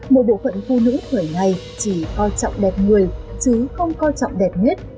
một bộ phận phụ nữ thời này chỉ coi trọng đẹp người chứ không coi trọng đẹp hết